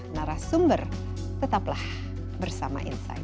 narasumber tetaplah bersama insight